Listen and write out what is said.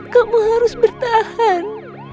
kamu harus bertahan